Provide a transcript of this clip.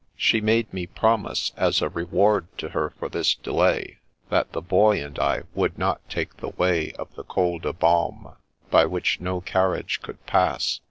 She made me promise, as a reward to her for this delay, that the Boy and I would not take the way of the Col de Balme, by which no carriage could pass.